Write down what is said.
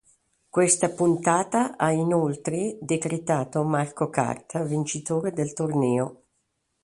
Questa puntata ha inoltre decretato Marco Carta vincitore del torneo.